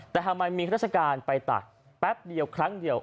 แต่ทำไมมีข้าราชการไปตัดแป๊บเดียวครั้งเดียว